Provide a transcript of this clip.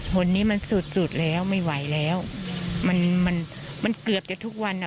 ผลนี้มันสุดสุดแล้วไม่ไหวแล้วมันมันเกือบจะทุกวันอ่ะ